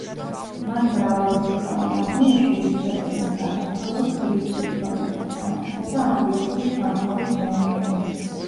მათ მრავალრიცხოვან არმიაში ირიცხებოდნენ საქართველოს, კილიკიის სომეხთა სამეფოსა და ანტიოქიის სამთავროს მეომრები.